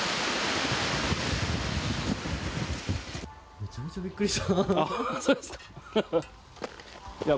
めちゃめちゃびっくりした。